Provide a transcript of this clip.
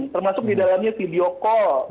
termasuk di dalamnya video call